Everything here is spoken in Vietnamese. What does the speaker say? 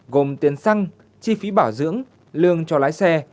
gồm tiền xăng chi phí bảo dưỡng lương cho lái xe